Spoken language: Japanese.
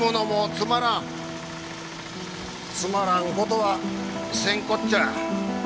つまらん事はせんこっちゃ。